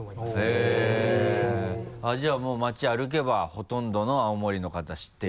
へぇじゃあもう町歩けばほとんどの青森の方知ってる？